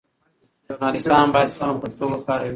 ژورنالیستان باید سمه پښتو وکاروي.